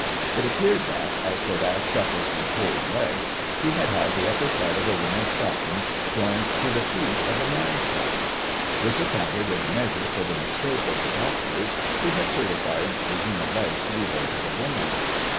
It appeared that, as Bodasse suffered from cold legs, he had had the upper part of a woman's stockings joined to the feet of a man's socks. This accounted in a measure for the mistake of the doctors who had certified the human legs to be those of a woman.